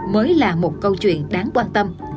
mới là một câu chuyện đáng quan tâm